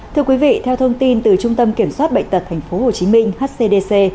thưa quý vị theo thông tin từ trung tâm kiểm soát bệnh tật tp hcm hcdc